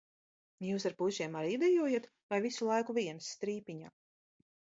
Jūs ar puišiem arī dejojat vai visu laiku vienas strīpiņā?